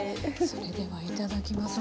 それではいただきます。